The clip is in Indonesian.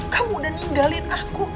kamu udah ninggalin aku